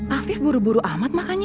afif buru buru amat makanya